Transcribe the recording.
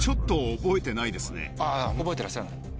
覚えてらっしゃらない。